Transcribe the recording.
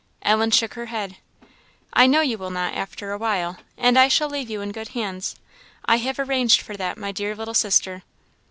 Ellen shook her head. "I know you will not, after a while; and I shall leave you in good hands I have arranged for that, my dear little sister!"